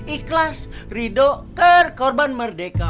ikhlas ridho ker korban merdeka